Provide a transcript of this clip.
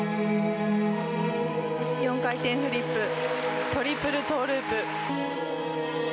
４回転フリップ、トリプルトウループ。